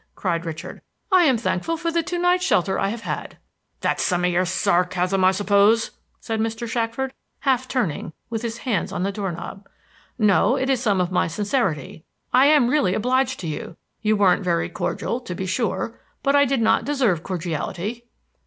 cried Richard. "I am thankful for the two nights' shelter I have had." "That's some of your sarcasm, I suppose," said Mr. Shackford, half turning, with his hands on the door knob. "No, it is some of my sincerity. I am really obliged to you. You weren't very cordial, to be sure, but I did not deserve cordiality."